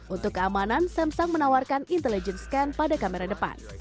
untuk keamanan samsung menawarkan intelligence scan pada kamera depan